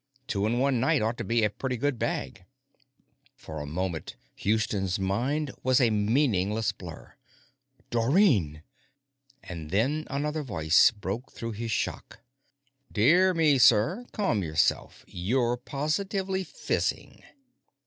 Two in one night ought to be a pretty good bag." For a moment, Houston's mind was a meaningless blur. Dorrine! And then another voice broke through his shock. "Dear me, sir! Calm yourself! You're positively fizzing!"